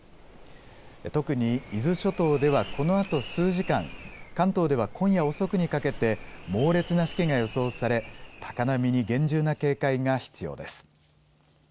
特に伊豆諸島では、このあと数時間、関東では今夜遅くにかけて、猛烈なしけが予想され、高波に厳重な警戒が必要です。